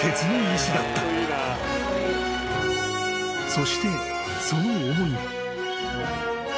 ［そしてその思いは］